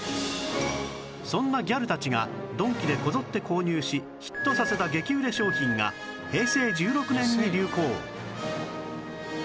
そんなギャルたちがドンキでこぞって購入しヒットさせた激売れ商品が平成１６年に流行